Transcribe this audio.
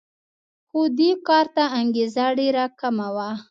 خو دې کار ته انګېزه ډېره کمه وه